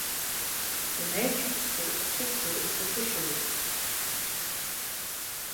The main industry of Suttsu is the fishery.